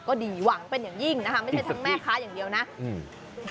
ก็ดีหวังเป็นอย่างยิ่งนะคะไม่ใช่ทั้งแม่ค้าอย่างเดียวนะอืม